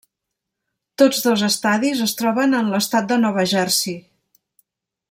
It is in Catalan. Tots dos estadis es troben a l'estat de Nova Jersey.